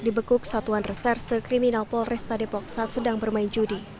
dibekuk satuan reserse kriminal polresta depok saat sedang bermain judi